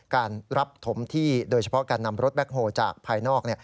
การรับถมที่โดยเฉพาะการนำรถแคคโฮลจากภายนอก